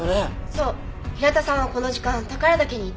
そう平田さんはこの時間宝良岳にいた。